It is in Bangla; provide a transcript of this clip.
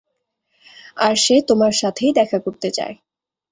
আর সে তোমার সাথেই দেখা করতে চায়।